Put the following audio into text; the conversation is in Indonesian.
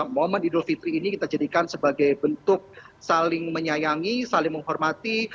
momen idul fitri ini kita jadikan sebagai bentuk saling menyayangi saling menghormati